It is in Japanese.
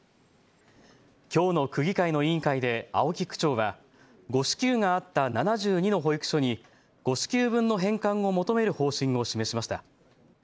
きょうの区議会の委員会で青木区長は誤支給があった７２の保育所に誤支給分の返還を求める方針を示しました。